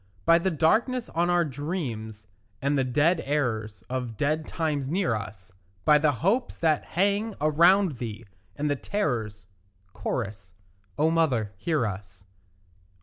By the darkness on our dreams, and the dead errors Of dead times near us; By the hopes that hang around thee, and the terrors; (Cho.) O mother, hear us.